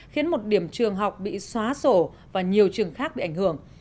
khiến một điểm trường học bị xóa sổ và nhiều trường khác bị ảnh hưởng